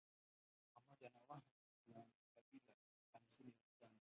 Pamoja na Wahan kuna makabila hamsini na tano